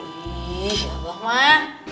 ih ya allah mah